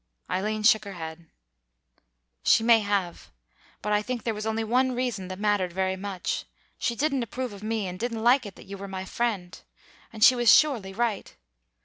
Eileen shook her head. "She may have. But I think there was only one reason that mattered very much. She didn't approve of me, and didn't like it that you were my friend. And she was surely right.